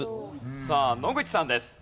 さあ野口さんです。